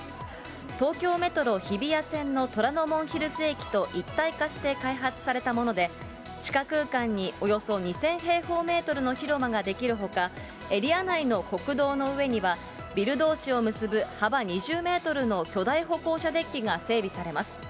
東京メトロ日比谷線の虎ノ門ヒルズ駅と一体化して開発されたもので、地下空間におよそ２０００平方メートルの広場が出来るほか、エリア内の国道の上にはビルどうしを結ぶ幅２０メートルの巨大歩行者デッキが整備されます。